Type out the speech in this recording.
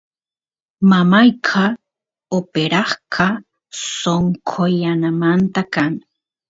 mamayqa operasqa sonqo yanamanta kan